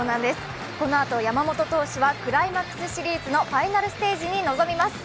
このあと山本投手はクライマックスシリーズのファイナルステージに臨みます。